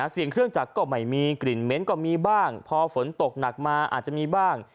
เสียงเครื่องจักรก็ไม่มีกลิ่นเหม็นก็มีบ้างพอฝนตกหนักมาอาจจะมีบ้าง